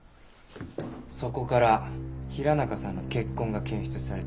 そこから平中さんの血痕が検出されています。